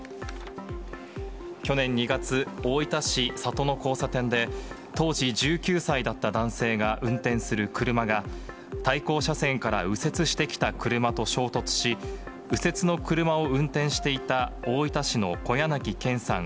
去年２月、大分市里の交差点で、当時１９歳だった男性が運転する車が、対向車線から右折してきた車と衝突し、右折の車を運転していた大分市の小柳憲さん